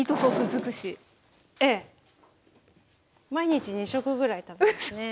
毎日２食ぐらい食べますね。